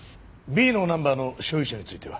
Ｂのナンバーの所有者については？